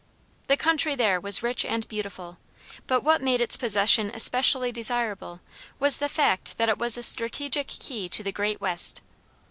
The country there was rich and beautiful, but what made its possession especially desirable was the fact that it was the strategic key to the great West.